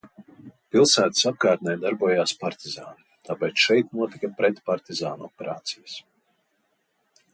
Pilsētas apkārtnē darbojās partizāni, tāpēc šeit notika pretpartizānu operācijas.